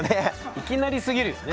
いきなりすぎるよね。